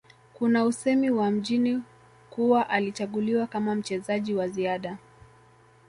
Kuna usemi wa mjini kuwa alichaguliwa kama mchezaji wa ziada